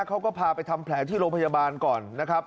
เขาก็พาไปทำแผลที่โรงพยาบาลก่อนนะครับ